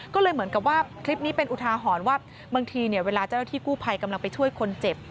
ก็เลยเหมือนกับว่าคลิปนี้เป็นอุทาหรณ์ว่าบางทีเนี่ยเวลาเจ้าหน้าที่กู้ภัยกำลังไปช่วยคนเจ็บ